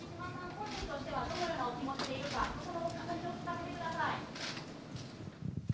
個人としてはどのようなお気持ちでいるか、聞かせてください。